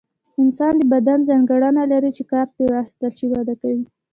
انسان د بدن ځانګړنه لري چې کار ترې واخیستل شي وده کوي.